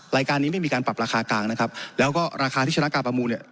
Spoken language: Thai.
รายการนี้ไม่มีการปรับราคากลางนะครับแล้วก็ราคาที่ชนะการประมูลเนี่ย